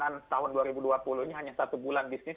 dan tahun dua ribu dua puluh ini hanya satu bulan bisnis